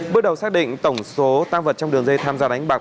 bước đầu xác định tổng số tăng vật trong đường dây tham gia đánh bạc